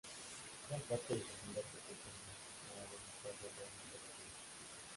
Gran parte de su vida profesional la ha dedicado al ramo empresarial.